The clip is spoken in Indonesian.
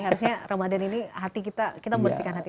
sebenarnya ramadan ini kita membersihkan hati